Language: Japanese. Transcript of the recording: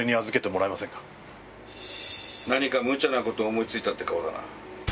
何かむちゃなことを思い付いたって顔だな。